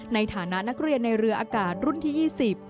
ในฐานะนักเรียนในเรืออากาศรุ่นที่๒๐